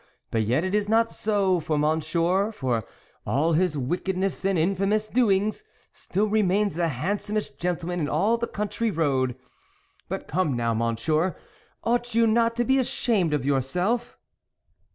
But yet it is not so, for Monsieur, for all his wickedness and infamous doings, still remains the handsomest gentleman in all the country round. But, come now, Monsieur, ought you not to be ashamed of yourself